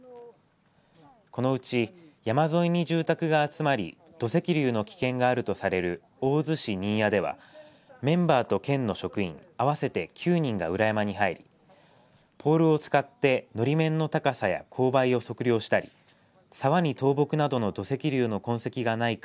このうち、山沿いに住宅が集まり土石流の危険があるとされる大洲市新谷ではメンバーと県の職員合わせて９人が裏山に入りポールを使ってのり面の高さや勾配を測量したり沢に倒木などの土石流の痕跡がないか。